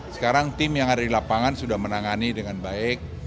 sekarang tim yang ada di lapangan sudah menangani dengan baik